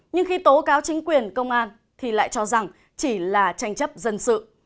nhưng khi tố cáo chính quyền công an thì lại cho rằng chỉ là tranh chấp dân sự